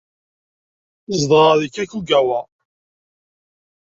Zedɣeɣ deg Kakogawa.